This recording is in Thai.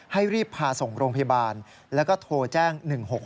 ให้รีบพาส่งโรงพยาบาลแล้วก็โทรแจ้ง๑๖๖